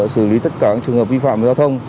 sử lý tất cả các trường hợp vi phạm với giao thông